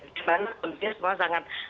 di mana kebetulan semua sangat